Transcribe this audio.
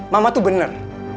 mama tuh bener